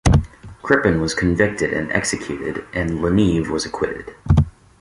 Crippen was convicted and executed and Le Neve was acquitted.